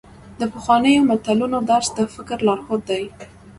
د پخوانیو متلونو درس د فکر لارښود دی.